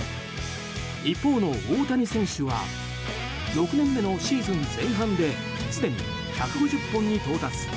一方の大谷選手は６年目のシーズン前半ですでに１５０本に到達。